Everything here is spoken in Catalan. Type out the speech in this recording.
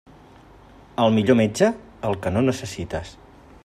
El millor metge: el que no necessites.